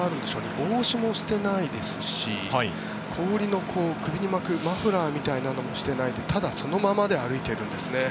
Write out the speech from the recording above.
帽子もしてないですし氷の首に巻くマフラーみたいなのもしてないでただそのままで歩いてるんですね。